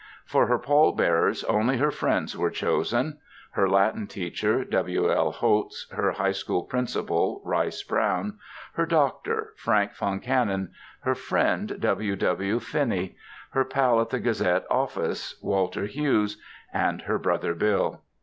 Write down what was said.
For her pall bearers only her friends were chosen; her Latin teacher W. L. Holtz; her High School principal, Rice Brown; her doctor, Frank Foncannon; her friend, W. W. Finney; her pal at the Gazette office, Walter Hughes; and her brother Bill.